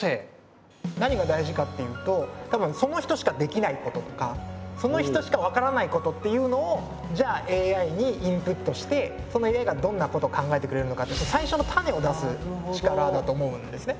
何が大事かっていうとたぶんその人しかできないこととかその人しか分からないことっていうのをじゃあＡＩにインプットしてそのＡＩがどんなことを考えてくれるのかって最初の種を出す力だと思うんですね。